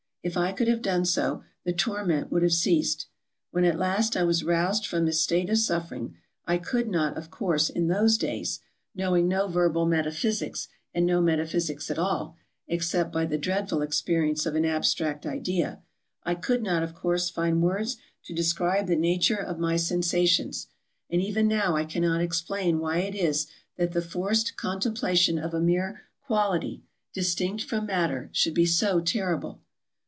If I could have done so, the torment would have ceased. When at last I was roused from this state of suffering, I could not, of course, in those days (knowing no verbal metaphysics, and no metaphysics at all, except by the dreadful experience of an abstract idea) — I could not, of course, find words to de 330 TRAVELERS AND EXPLORERS scribe the nature of my sensations ; and even now I cannot explain why it is that the forced contemplation of a mere quality, distinct from matter, should be so terrible.